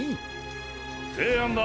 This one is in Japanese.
提案だ。